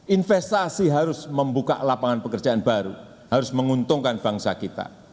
investasi harus membuka lapangan pekerjaan baru harus menguntungkan bangsa kita